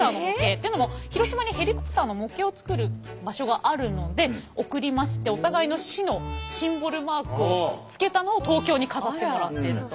というのも広島にヘリコプターの模型を作る場所があるので贈りますってお互いの市のシンボルマークをつけたのを東京に飾ってもらっていると。